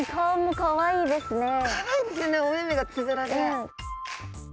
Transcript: かわいいですよねお目々がつぶらで。